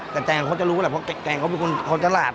แต่แตงเขาจะรู้แหละเพราะแกงเขาเป็นคนฉลาด